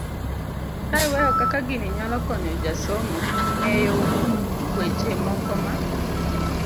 ka iweyo kaka gini nyalo konyo jasomo ng'eyo weche moko ma